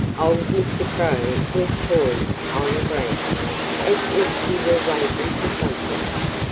Old Mr. Crow was poised on a branch, as if he were waiting for something.